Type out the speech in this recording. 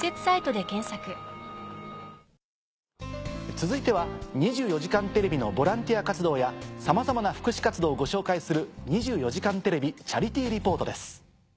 続いては『２４時間テレビ』のボランティア活動やさまざまな福祉活動をご紹介する。